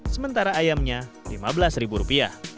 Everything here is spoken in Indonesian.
sementara ayamnya rp lima belas